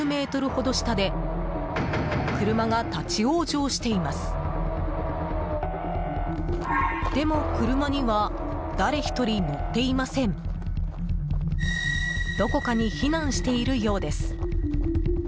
どこかに避難しているようです。